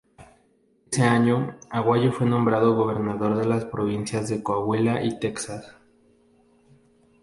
Ese año, Aguayo fue nombrado gobernador de las provincias de Coahuila y Texas.